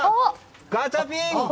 ガチャピン！